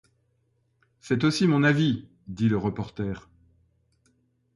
C’est aussi mon avis, dit le reporter.